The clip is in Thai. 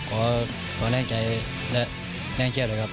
ก็แรงใจและแรงเครียบเลยครับ